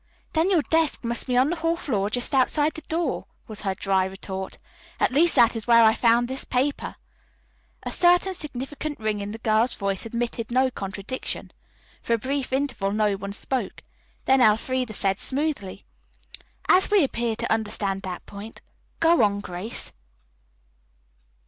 "Then your desk must be on the hall floor just outside the door," was her dry retort. "At least that is where I found this paper." A certain significant ring in the girl's voice admitted of no contradiction. For a brief interval no one spoke. Then Elfreda said smoothly, "As we appear to understand that point, go on, Grace."